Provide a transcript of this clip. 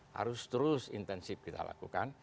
harus terus intensif kita lakukan